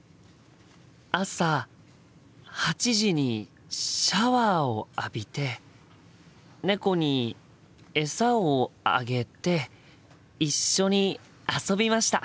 朝８時にシャワーを浴びて猫にえさをあげて一緒に遊びました。